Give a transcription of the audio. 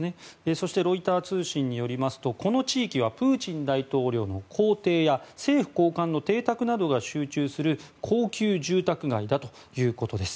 そしてロイター通信によりますとこの地域はプーチン大統領の公邸や政府高官の邸宅などが集中する高級住宅街だということです。